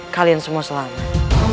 kalian semua selamat